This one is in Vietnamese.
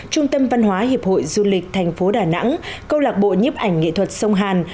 trung tâm văn hóa hiệp hội du lịch thành phố đà nẵng câu lạc bộ nhiếp ảnh nghệ thuật sông hàn